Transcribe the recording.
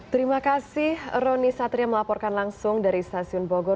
terima kasih roni satria melaporkan langsung dari stasiun bogor